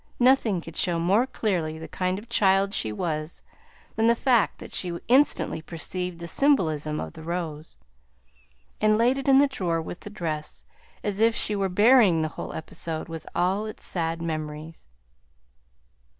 Nothing could show more clearly the kind of child she was than the fact that she instantly perceived the symbolism of the rose, and laid it in the drawer with the dress as if she were burying the whole episode with all its sad memories.